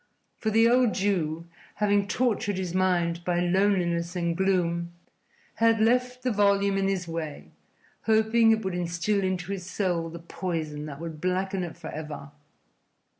For the old Jew, having tortured his mind by loneliness and gloom, had left the volume in his way, hoping it would instil into his soul the poison that would blacken it for ever.